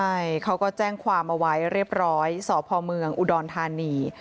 ใช่เขาก็แจ้งความเอาไว้เรียบร้อยสพเมืองอุดรธานี